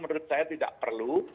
menurut saya tidak perlu